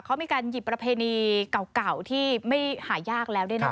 เขามีการหยิบประเพณีเก่าที่ไม่หายากแล้วด้วยนะ